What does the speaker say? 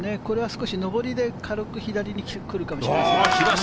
少し上りで軽く左に来るかもしれません。